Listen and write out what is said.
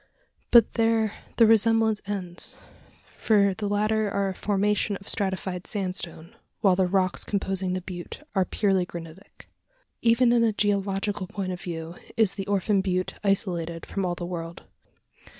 But there the resemblance ends; for the latter are a formation of stratified sandstone, while the rocks composing the butte are purely granitic! Even in a geological point of view, is the Orphan Butte isolated from all the world.